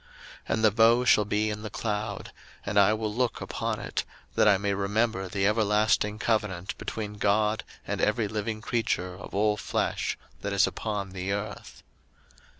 01:009:016 And the bow shall be in the cloud; and I will look upon it, that I may remember the everlasting covenant between God and every living creature of all flesh that is upon the earth.